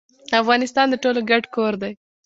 افغانستان د ټولو ګډ کور دی